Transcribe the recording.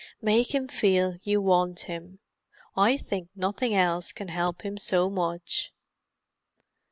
Make him feel you want him; I think nothing else can help him so much."